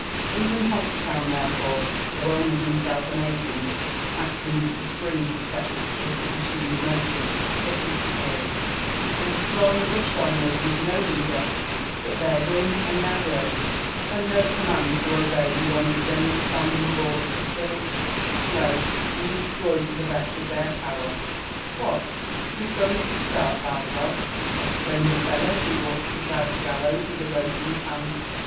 Kven Hogstown, therefore, though only himself an agent acting as the spring lo set this terrific machine in motion, had disappeared ; and the throng rushed . onward with no leader but their whim and Iheir will, and no command o obey beyond a general standing order to pillage, slay, and destroy to the best of their power. JONATHAN JEFFERSON WHITLAW. 337 *'What! jest going to start, by G — d!" exclaimed a fellow who walked beside the gallows with a rope in his hand, as.